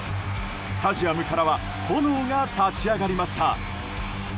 スタジアムからは炎が立ち上がりました。